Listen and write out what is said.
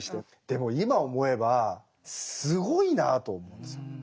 でも今思えばすごいなと思うんですよ。